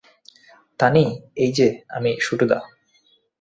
তানি, এইযে আমি শুটুদা।